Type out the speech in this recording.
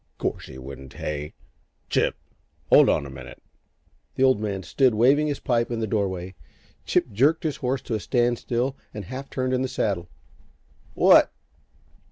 "'Course he wouldn't. Hey, Chip! Hold on a minute!" The Old Man stood waving his pipe in the doorway. Chip jerked his horse to a stand still and half turned in the saddle. "What?"